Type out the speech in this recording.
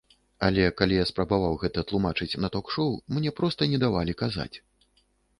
Але калі я спрабаваў гэта тлумачыць на ток-шоў, мне проста не давалі казаць.